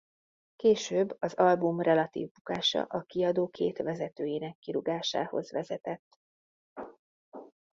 Később az album relatív bukása a kiadó két vezetőjének kirúgásához vezetett.